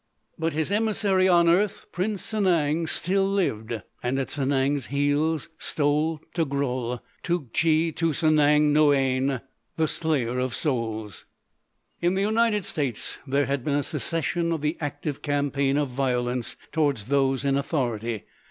But his emissary on earth, Prince Sanang, still lived. And at Sanang's heels stole Togrul, Tougtchi to Sanang Noïane, the Slayer of Souls. In the United States there had been a cessation of the active campaign of violence toward those in authority.